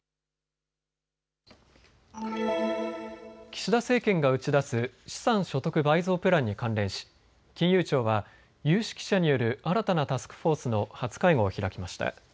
岸田政権が打ち出す資産所得倍増プランに関連し金融庁は有識者による新たなタスクフォースの初会合を開きました。